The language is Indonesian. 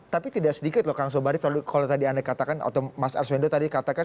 tapi tidak sedikit loh kang sobari kalau tadi anda katakan atau mas arswendo tadi katakan